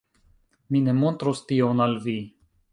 Mi ne montros tion al vi